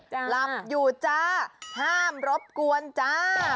หลับอยู่จ้าห้ามรบกวนจ้า